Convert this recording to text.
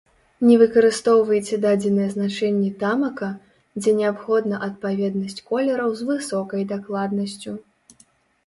Не выкарыстоўвайце дадзеныя значэнні тамака, дзе неабходна адпаведнасць колераў з высокай дакладнасцю.